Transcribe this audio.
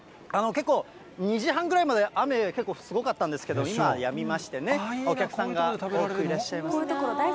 結構、２時半ぐらいまで雨、結構すごかったんですけど、今はやみまして、お客さんが多くこういう所大好き。